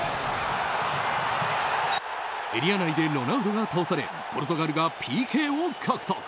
エリア内でロナウドが倒されポルトガルがＰＫを獲得。